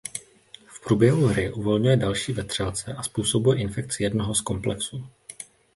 V průběhu hry uvolňuje další vetřelce a způsobuje infekci jednoho z komplexů.